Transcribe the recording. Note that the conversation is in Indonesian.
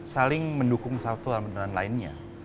saling mendukung satu sama dengan lainnya